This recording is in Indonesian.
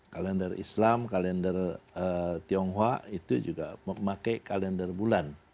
kalender islam kalender tionghoa itu juga memakai kalender bulan